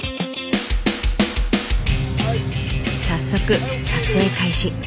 早速撮影開始。